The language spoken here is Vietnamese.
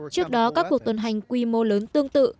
trước đó các cuộc tuần hành quy mô lớn tương tự cũng đã xảy ra